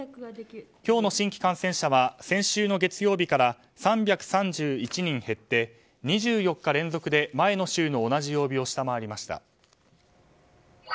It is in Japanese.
今日の新規感染者は先週の月曜日から３３１人減って、２４日連続で前の週の同じ曜日を下回りました。